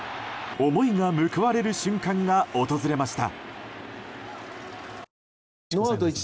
思いが報われる瞬間が訪れました。